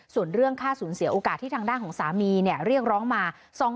ส่วนเรื่องค่าสูญเสียโอกาสที่ทางด้านของสามีเรียกร้องมา